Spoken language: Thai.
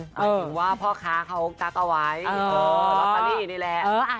หมายถึงว่าพ่อค้าเขาจักรเอาไว้รับตัวนี้นี่แหละ